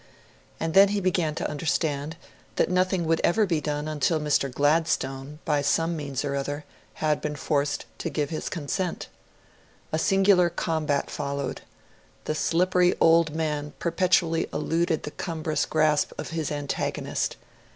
And then he began to understand that nothing would ever be done until Mr. Gladstone, by some means or other, had been forced to give his consent. A singular combat followed. The slippery old man perpetually eluded the cumbrous grasp of his antagonist.